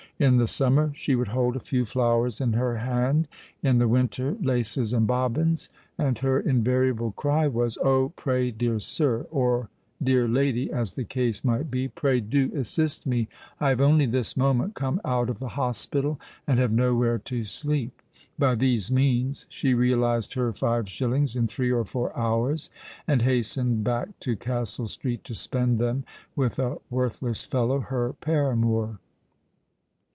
In the summer she would hold a few flowers in her hand: in the winter, laces and bobbins; and her invariable cry was "Oh! pray, dear sir"——or "dear lady," as the case might be——"pray do assist me: I have only this moment come out of the hospital, and have nowhere to sleep." By these means she realized her five shillings in three or four hours, and hastened back to Castle Street to spend them with a worthless fellow—her paramour.